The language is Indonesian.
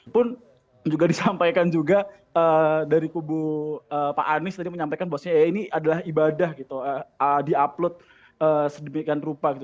pun juga disampaikan juga dari kubu pak anies tadi menyampaikan bahwasanya ya ini adalah ibadah gitu di upload sedemikian rupa gitu